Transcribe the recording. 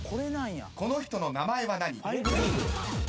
この人の名前は何？」